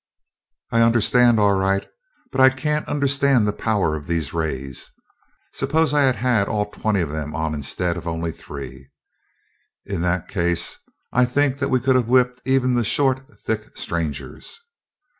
"I understand, all right; but I can't understand the power of these rays. Suppose I had had all twenty of them on instead of only three?" "In that case, I think that we could have whipped even the short, thick strangers."